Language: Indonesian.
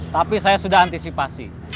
tapi saya sudah antisipasi